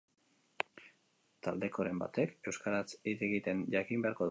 taldekoren batek euskaraz hitz egiten jakin beharko du